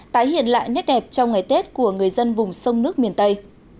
tái hiện lại nét đẹp trong ngày tết của người dân vùng sông nước miền tây